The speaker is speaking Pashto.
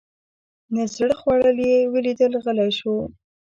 نه زړه خوړل یې ولیدل غلی شو.